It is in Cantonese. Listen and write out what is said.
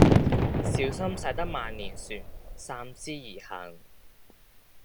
小心駛得萬年船三思而行